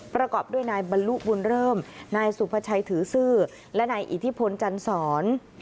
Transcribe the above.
ประกอบด้วยนายบรรลุบุญเริ่มนายสุภาชัยถือซื่อและนายอิทธิพลจันสอน